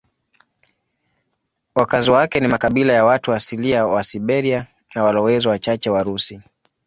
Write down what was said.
Wakazi wake ni makabila ya watu asilia wa Siberia na walowezi wachache Warusi.